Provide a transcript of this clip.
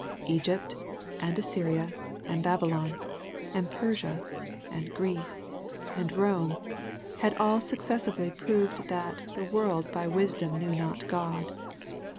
Egypt, and Assyria, and Babylon, and Persia, and Greece, and Eome, had all successively proved that " the world by wisdom knew not God.''